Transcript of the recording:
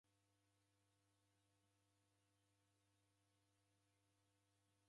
Oghora uja mwana siwape ungi.